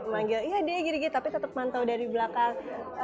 manggil iya dia giri gini tapi tetap mantau dari belakang